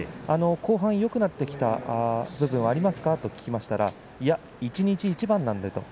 後半よくなってきた部分もありますか？と聞きましたらいや一日一番なのでと。